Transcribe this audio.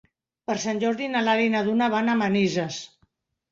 Per Sant Jordi na Lara i na Duna van a Manises.